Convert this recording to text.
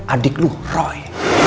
adik lo roy